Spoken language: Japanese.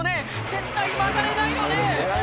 絶対曲がれないよね？